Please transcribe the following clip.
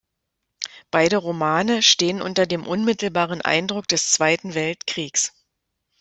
Beide Romane stehen unter dem unmittelbaren Eindruck des Zweiten Weltkriegs.